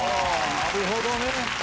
なるほどね！